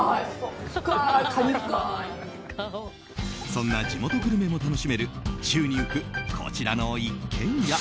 そんな地元グルメも楽しめる宙に浮く、こちらの一軒家。